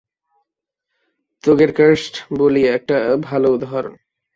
তোগের cursed বুলি একটা ভালো উদাহরণ।